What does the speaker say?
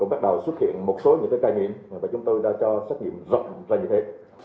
bắt đầu xuất hiện một số những ca nhiễm và chúng tôi đã cho xét nghiệm rộng ra như thế